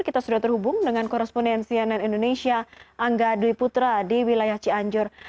kita sudah terhubung dengan koresponden cnn indonesia angga dwi putra di wilayah cianjur